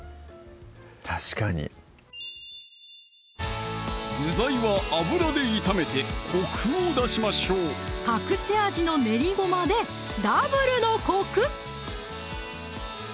確かに具材は油で炒めてコクを出しましょう隠し味の練りごまでダブルのコク！